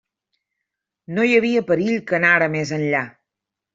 No hi havia perill que anara més enllà.